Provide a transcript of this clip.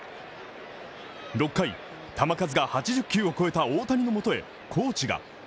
６回、球数が８０球を超えた大谷の下へコーチが。